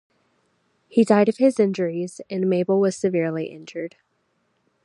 He died of his injuries, and Mabel was severely injured.